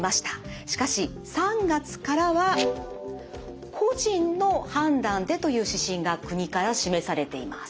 しかし３月からは個人の判断でという指針が国から示されています。